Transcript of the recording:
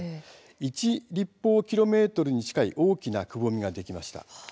１立方キロメートルに近い大きな、くぼみができました。